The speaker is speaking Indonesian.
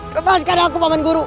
lepaskan aku taman guru